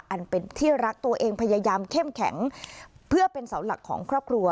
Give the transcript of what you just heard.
อันเป็นที่รักตัวเองพยายามเข้มแข็งเพื่อเป็นเสาหลักของครอบครัว